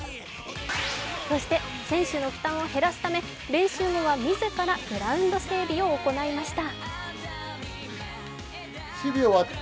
そして選手の負担を減らすため練習後はみずからグラウンド整備を行いました。